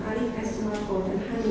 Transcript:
alih kes smarphone dan haji